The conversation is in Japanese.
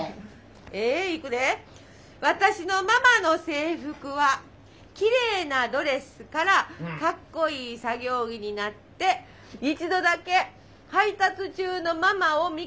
「私のママの制服はきれいなドレスからかっこいい作業着になって一度だけ配達中のママを見かけたことがあります。